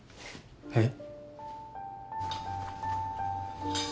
えっ？